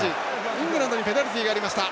イングランドにペナルティーがありました。